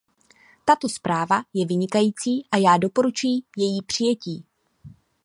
Tato zpráva je vynikající a já doporučuji její přijetí.